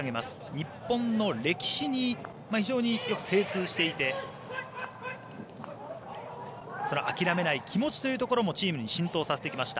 日本の歴史に非常によく精通していて諦めない気持ちというところもチームに浸透させてきました。